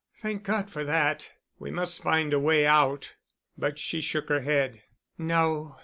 "Thank God for that. We must find a way out——" But she shook her head. "No.